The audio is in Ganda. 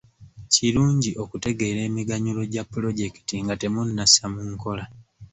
Kirungi okutegeera emiganyulo gya pulojekiti nga temunnassa mu nkola